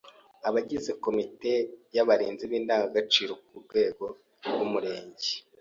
Abagize komite y’abarinzi b’indangagaciro ku rwego rw’Umurenge